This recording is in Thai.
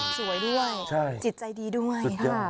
สวยด้วยจิตใจดีด้วย